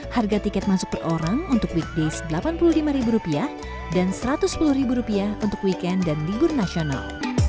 harga tiket masuk per orang untuk weekdays rp delapan puluh lima dan rp satu ratus sepuluh untuk weekend dan libur nasional